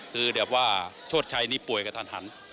คือแบบว่าโชชัยนี่ป่วยกระทันหัน